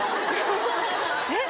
えっ？